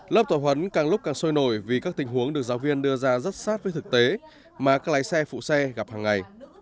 lớp tổ huấn càng lúc càng sôi nổi vì các tình huống được giáo viên đưa ra rất sát với thực tế mà các lái xe phụ xe gặp hàng ngày